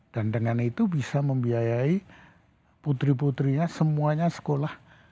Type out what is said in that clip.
dan dengan itu bisa membiayai putri putrinya semuanya sekolah